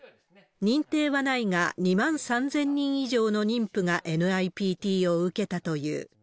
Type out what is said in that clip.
認定はないが、２万３０００人以上の妊婦がＮＩＰＴを受けたという。